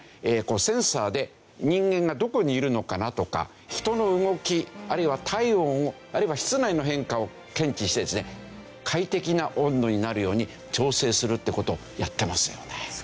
センサーで人間がどこにいるのかなとか人の動きあるいは体温をあるいは室内の変化を検知してですね快適な温度になるように調整するって事をやってますよね。